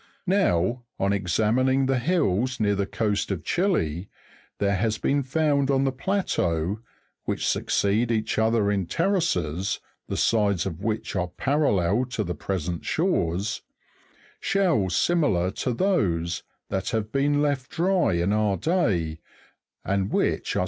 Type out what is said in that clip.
Now, on examining the hills near the coast of Chile, there has been found on the plateaux (which succeed each other in ter races, the sides of which are parallel to the present shores), shells similar to those, that have been left dry in our day, and which are